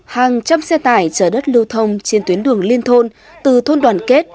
hàng trăm xe tải chở đất lưu thông trên tuyến đường liên thôn từ thôn đoàn kết